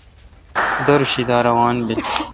دِر شی دا روان بیل۔